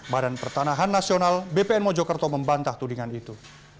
badan pertanahan nasional bpn mojokerto membantah tudingan itu